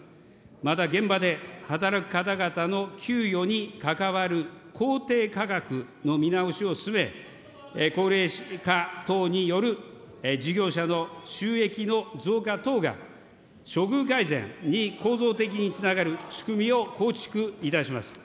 また現場で働く方々の給与に関わる公定価格の見直しを進め、高齢化等による事業者の収益の増加等が処遇改善に構造的につながる仕組みを構築いたします。